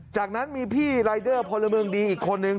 จากนั้นมีพี่รายเดอร์พลเมืองดีอีกคนนึง